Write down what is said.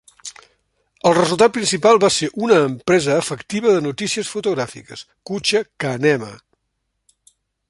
El resultat principal va ser una empresa efectiva de notícies fotogràfiques, Kucha Kanema.